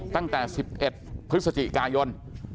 ตั้งแต่๑๑พฤศจิกายน